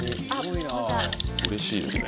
うれしいですね。